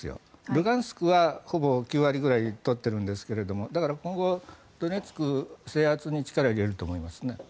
ルハンシクはほぼ９割ぐらい取っているんですがだから、今後ドネツク制圧に力を入れると思いますね。